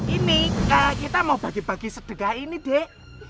ini kita mau bagi bagi sedekah ini dek